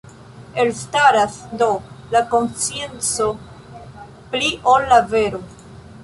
Elstaras, do, la konscienco pli ol la vero.